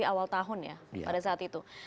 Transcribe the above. di awal tahun ya pada saat itu